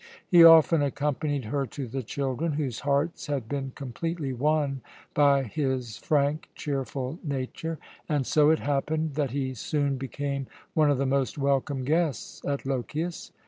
He often accompanied her to the children, whose hearts had been completely won by his frank, cheerful nature; and so it happened that he soon became one of the most welcome guests at Lochias.